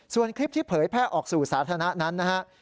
ส่วนคลิปที่เผยแพร่ออกสู่สาธารณะนั้นนะฮะ